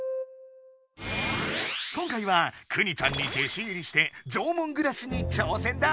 今回はくにちゃんに弟子入りして縄文ぐらしに挑戦だ！